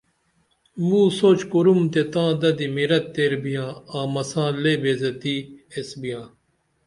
موسوچ کُروم تے تاں ددی میرت تیر بیاں آں مساں لے بے عزتی ایس بیاں